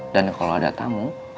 dan kalau ada tamu